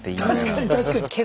確かに確かに。